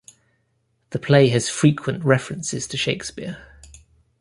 The play has frequent references to Shakespeare.